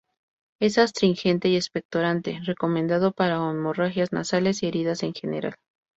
Es astringente y expectorante, recomendado para hemorragias nasales y heridas en general.